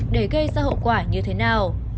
để gây ra hậu quả như thế nào